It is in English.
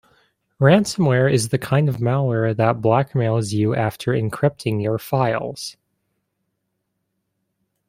Ransomware is the kind of malware that blackmails you after encrypting your files.